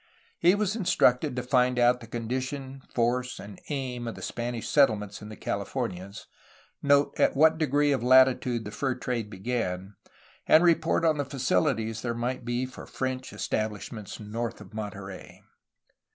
He was instructed to find out the condition, force, and aim of the Spanish settlements in the Californias, note at what degree of latitude the fur trade began, and report on the faciUties there might be for French estabHshments north of Monterey.